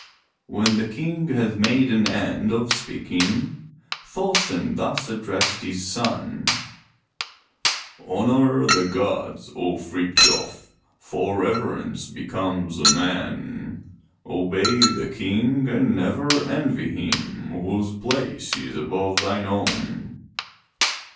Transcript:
When the King had made an end of speaking Thorsten thus addressed his son: "Honor the gods, O Frithjof, for reverence becomes a man. Obey the King and never envy him whose place is above thine own.